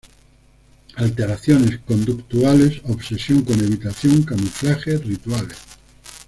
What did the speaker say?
Alteraciones conductuales: Obsesión con evitación, camuflaje, rituales.